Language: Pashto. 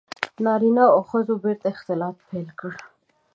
• نارینه او ښځو بېرته اختلاط پیل کړ.